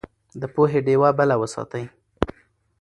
د پوهې ډيوه بله وساتئ.